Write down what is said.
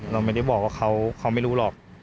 เราไม่ได้บอกว่าเขาไม่รู้หรอก